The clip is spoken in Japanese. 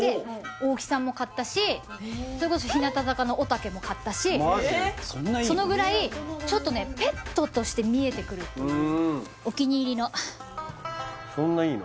大木さんも買ったしそれこそ日向坂のおたけも買ったしそのぐらいちょっとねペットとして見えてくるお気に入りのそんないいの？